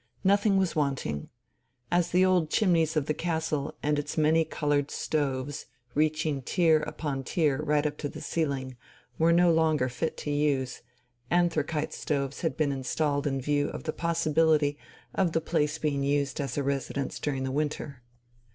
Nothing was wanting. As the old chimneys of the castle and its many coloured stoves, reaching tier upon tier right up to the ceiling, were no longer fit to use, anthracite stoves had been installed in view of the possibility of the place being used as a residence during the winter.